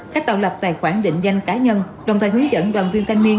các tàu lập tài khoản định danh cá nhân đồng thời hướng dẫn đoàn viên thanh niên